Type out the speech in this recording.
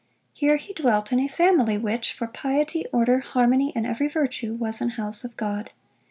Here he dwelt in a family, which, for piety, order, harmony, and every virtue, was an house of God.